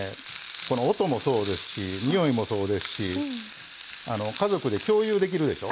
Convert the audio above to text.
この音もそうですし匂いもそうですし家族で共有できるでしょ。